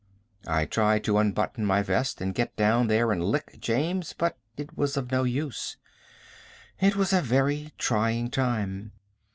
I tried to unbutton my vest and get down there and lick James, but it was of no use. It was a very trying time.